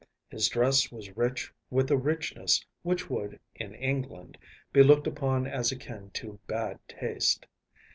His dress was rich with a richness which would, in England, be looked upon as akin to bad taste.